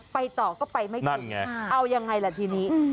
ไปต่อก็ไปไม่ได้นั่นไงเอายังไงล่ะทีนี้อืม